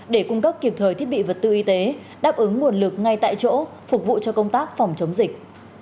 để cung cấp kịp thời thiết bị vật tư y tế đáp ứng nguồn lực ngay tại chỗ phục vụ cho công tác phòng chống dịch